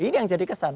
ini yang jadi kesan